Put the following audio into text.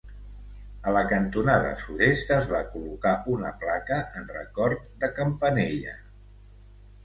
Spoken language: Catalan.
A la cantonada sud-est es va col·locar una placa en record de Campanella.